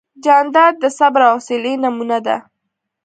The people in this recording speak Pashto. جانداد د صبر او حوصلې نمونه ده.